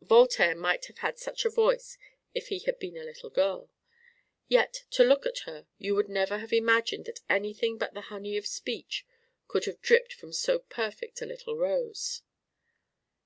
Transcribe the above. Voltaire might have had such a voice if he had been a little girl. Yet to look at her, you would never have imagined that anything but the honey of speech could have dripped from so perfect a little rose.